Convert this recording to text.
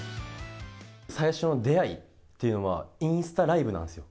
最初の出会いっていうのは、インスタライブなんですよ。